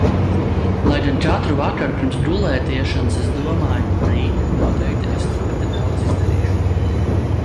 Lai gan katru vakaru pirms gulētiešanas es domāju, rīt noteikti es ļoti daudz izdarīšu.